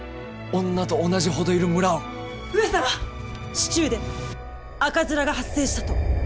市中で赤面が発生したと。